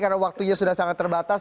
karena waktunya sudah sangat terbatas